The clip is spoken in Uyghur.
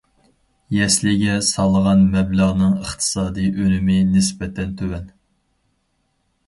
يەسلىگە سالغان مەبلەغنىڭ ئىقتىسادىي ئۈنۈمى نىسبەتەن تۆۋەن.